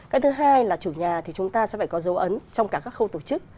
cái thứ hai là chủ nhà thì chúng ta sẽ phải có dấu ấn trong cả các khâu tổ chức